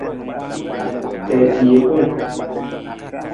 Tiisa jekung.